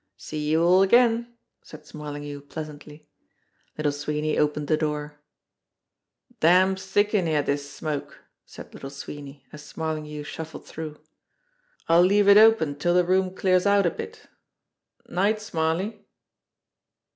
"See you all again," said Smarlinghue pleasantly. Little Sweeney opened the door. "Damned thick in here, this smoke," said Little Sweeney, as Smarlinghue shuffled through. "I'll leave it open till the room clears out a bit. 'Night, Smarly!"